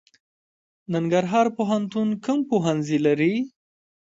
ننګرهار پوهنتون کوم پوهنځي لري؟